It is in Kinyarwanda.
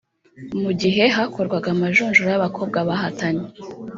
Mu gihe hakorwaga amajonjora y’abakobwa bahatanye